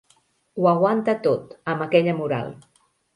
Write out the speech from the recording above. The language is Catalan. Ho aguanta tot, amb aquella moral.